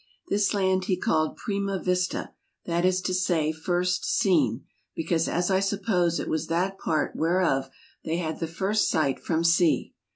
This land he called Prima vista, that is to say, First seene, because as I suppose it was that part whereof they had the first sight from sea.